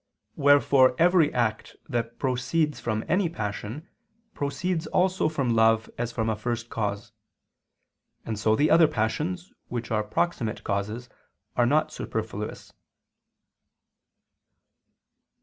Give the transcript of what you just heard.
Wherefore every act that proceeds from any passion, proceeds also from love as from a first cause: and so the other passions, which are proximate causes, are not superfluous.